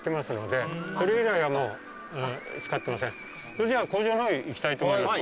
それじゃ工場の方行きたいと思います。